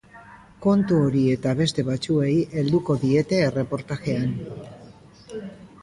Kontu hori eta beste batzuei helduko diete erreportajean.